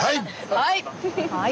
はい！